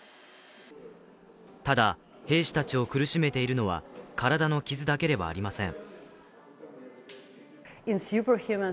ただ、兵士たちを苦しめているのは体の傷だけではありません。